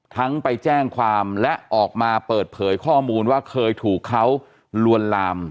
ไปแจ้งความและออกมาเปิดเผยข้อมูลว่าเคยถูกเขาลวนลาม